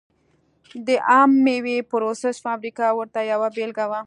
د عم مېوې پروسس فابریکه ورته یوه بېلګه وه.